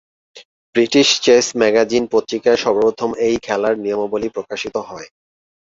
British chess magazine পত্রিকায় সর্বপ্রথম এই খেলার নিয়মাবলী প্রকাশিত থয়।